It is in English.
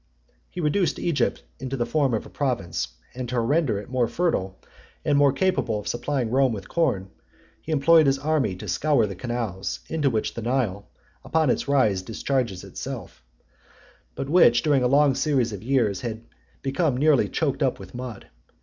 He reduced Egypt into the form of a province and to render it more fertile, and more capable of supplying Rome with corn, he employed his army to scour the canals, into which the Nile, upon its rise, discharges itself; but which during a long series of years had become nearly choked up with mud.